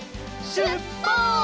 しゅっぱつ！